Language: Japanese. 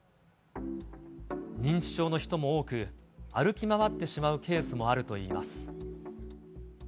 認知症の人も多く、歩き回ってしまうケースもあるといいます。